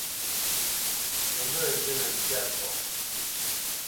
Mə mbə̄ zînə ntsyâ fɔ.